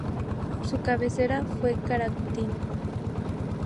Su cabecera fue Curacautín.